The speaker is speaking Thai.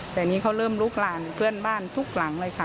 แต่นี่เขาเริ่มลุกลานเพื่อนบ้านทุกหลังเลยค่ะ